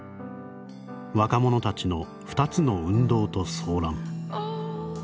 若者たちの２つの運動と騒乱」。